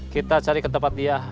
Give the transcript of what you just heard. kita cari ke tempat dia